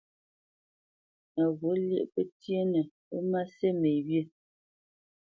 Á ghût lyéʼ pətyénə ó má sí me wyê?